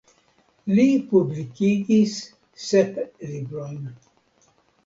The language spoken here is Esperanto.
Li publikigis sep librojn.